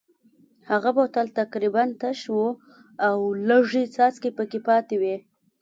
هغه بوتل تقریبا تش و او لږې څاڅکې پکې پاتې وې.